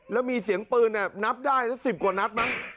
แล้วมีเสียงปืนน่ะนับได้สิบกว่านับมั้ง